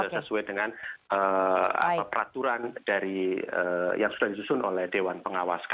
sesuai dengan peraturan yang sudah disusun oleh dewan pengawas kpk